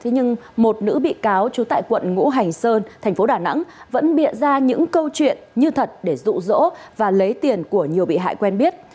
nhưng một nữ bị cáo trú tại quận ngũ hành sơn thành phố đà nẵng vẫn bịa ra những câu chuyện như thật để rụ rỗ và lấy tiền của nhiều bị hại quen biết